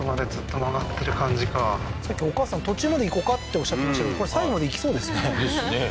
さっきお母さん途中まで行こかっておっしゃってましたけどこれ最後まで行きそうですねですね